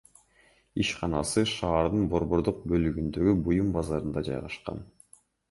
Ишканасы шаардын борбордук бөлүгүндөгү буюм базарында жайгашкан.